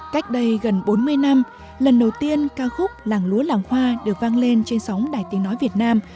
cách đây gần bốn mươi năm lần đầu tiên ca khúc làng lúa làng hoa được vang lên trên sóng đài tiếng nói việt nam